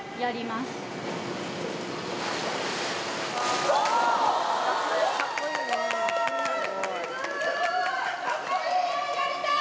すごーい！